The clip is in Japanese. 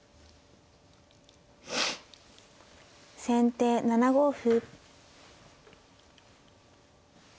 先手７五歩。